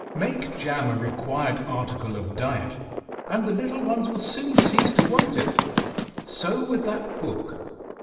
Make jam a required article of diet and the little ones will soon cease to want it. So with that book.